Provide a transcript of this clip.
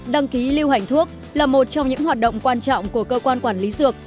đăng ký lưu hành thuốc là một trong những hoạt động quan trọng của cơ quan quản lý dược